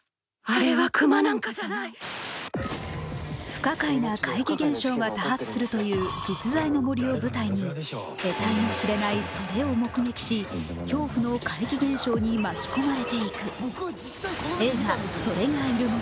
不可解な怪奇現象が多発するという実在の森を舞台に得体の知れない、それを目撃し、恐怖に怪奇現象に巻き込まれていく映画「“それがいる森」。